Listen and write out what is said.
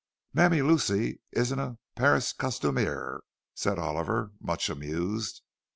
"Mammy Lucy isn't a Paris costumier," said Oliver, much amused.